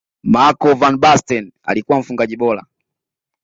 marco van basten alikuwa mfungaji bora